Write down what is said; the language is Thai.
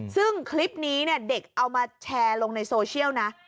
ซึ่งคลิปนี้เนี่ยเด็กเอามาแชร์ลงในโซเชียลนะ